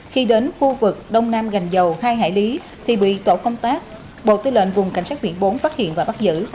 khi đến khu vực đông nam gành dầu hai hải lý thì bị tổ công tác bộ tư lệnh vùng cảnh sát biển bốn phát hiện và bắt giữ